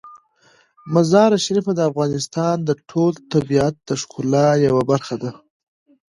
مزارشریف د افغانستان د ټول طبیعت د ښکلا یوه برخه ده.